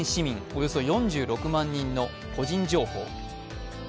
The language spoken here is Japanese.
およそ４６万人の個人情報。